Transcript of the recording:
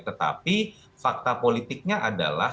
tetapi fakta politiknya adalah